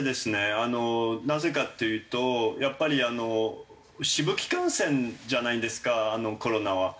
あのなぜかっていうとやっぱりあの飛沫感染じゃないですかコロナは。